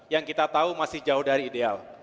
yang kita tahu masih jauh dari ideal